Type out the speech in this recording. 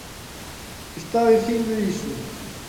¿Está dicindo iso?